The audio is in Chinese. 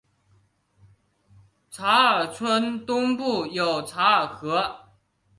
查尔村东部有嚓尔河。